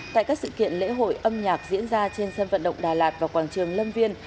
tại các sự kiện lễ hội âm nhạc diễn ra trên sân vận động đà lạt và quảng trường lâm viên